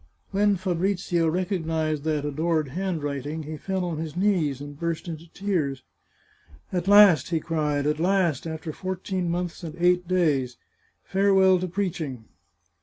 When Fabrizio recognised that adored handwriting he fell on his knees and burst into tears. " At last," he cried, " at last, after fourteen months and eight days ! Farewell to preaching